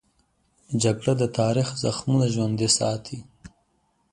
جګړه د تاریخ زخمونه ژوندي ساتي